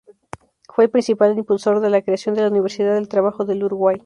Fue el principal impulsor de la creación de la Universidad del Trabajo del Uruguay.